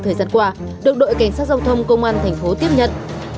thời gian qua được đội cảnh sát giao thông công an tp tiếp nhận